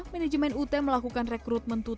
manajemen ut melakukan rekrutmen untuk mengembangkan